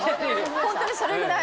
ホントにそれぐらい！